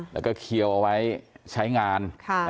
แล้วก็เคียวเอาไว้ใช้งาน